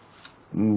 うん。